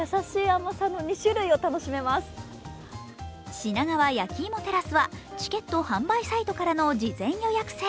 品川やきいもテラスはチケット販売サイトからの事前予約制。